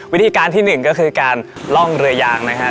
วิธีการที่หนึ่งก็คือการล่องเรือยางนะครับ